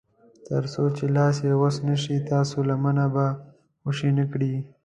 تر څو چې لاس یې غوڅ نه شي ستاسو لمنه به خوشي نه کړي.